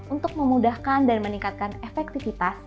untuk memudahkan dan meningkatkan efektivitas